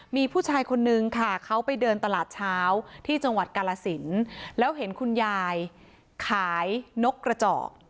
มีผู้ชายคนนึงค่ะเขาไปเดินตลาดเช้าที่จังหวัดกาลสินแล้วเห็นคุณยายขายนกกระเจาะ